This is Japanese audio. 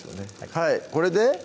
はいこれで？